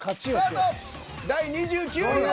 第２９位は。